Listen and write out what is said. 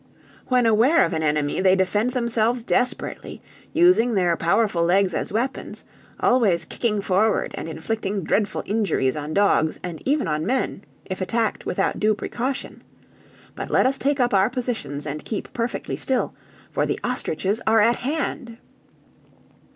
"When aware of an enemy they defend themselves desperately, using their powerful legs as weapons, always kicking forward, and inflicting dreadful injuries on dogs, and even on men, if attacked without due precaution. But let us take up our positions, and keep perfectly still, for the ostriches are at hand!"